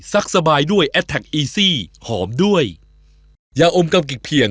สบายด้วยแอดแท็กอีซี่หอมด้วยยาอมกำกิกเพียง